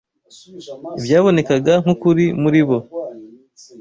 ibyabonekaga nk’ukuri muri bo